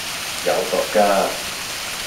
有毒㗎